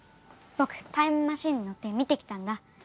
僕タイムマシンに乗って見てきたんだ。